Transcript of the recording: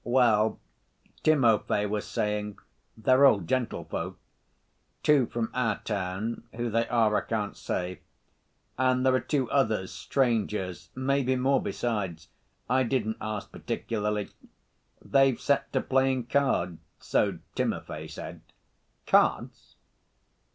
"Well, Timofey was saying they're all gentlefolk. Two from our town—who they are I can't say—and there are two others, strangers, maybe more besides. I didn't ask particularly. They've set to playing cards, so Timofey said." "Cards?"